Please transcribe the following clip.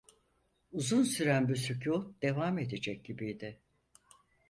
Uzun süren bu sükût devam edecek gibiydi.